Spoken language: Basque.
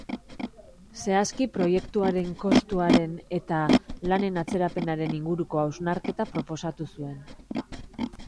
Zehazki, proiektuaren kostuaren eta lanen atzerapenaren inguruko hausnarketa proposatu zuen.